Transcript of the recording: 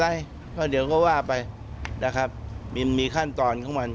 เขาไม่เป็นไรเดี๋ยวเขาว่าไปนะครับมีขั้นตอนของมัน